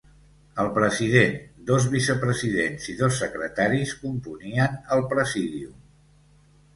El president, dos vicepresidents i dos secretaris componien el Presídium.